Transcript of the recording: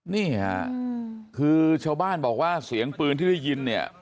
นี่ค่ะคือชาวบ้านบอกว่าเสียงปืนที่ได้ยินเนี่ย